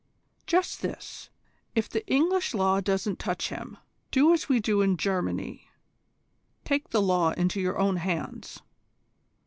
"Just this: if the English law won't touch him, do as we do in Germany, take the law into your own hands.